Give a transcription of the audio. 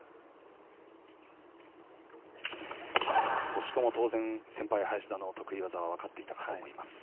星子も当然、先輩・林田の得意技は分かっていたかと思います。